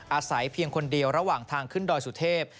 อาศัยเพียงคนเดียวระหว่างทางขึ้นดอยสุเทพ